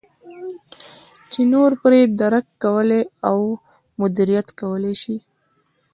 چې نور پرې درک کولای او مدیریت کولای شي.